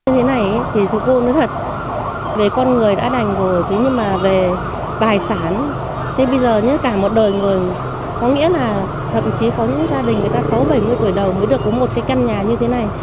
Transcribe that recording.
thậm chí có những gia đình người ta sáu mươi bảy mươi tuổi đầu mới được có một cái căn nhà như thế này